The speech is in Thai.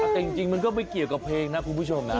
แต่จริงมันก็ไม่เกี่ยวกับเพลงนะคุณผู้ชมนะ